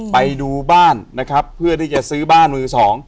ไปดูบ้านนะครับเพื่อที่จะซื้อบ้านมือสอง